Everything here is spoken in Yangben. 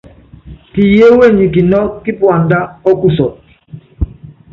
Kiyeéwe nyi kinɔ́kɔ́ kípuandá ɔ́kusɔt.